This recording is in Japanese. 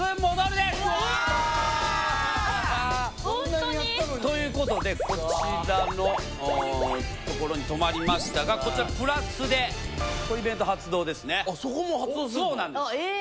ホントに？ということでこちらの所に止まりましたがこちらプラスでイベント発動ですね。